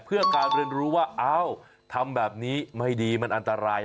เพื่อการเรียนรู้ว่าอ้าวทำแบบนี้ไม่ดีมันอันตราย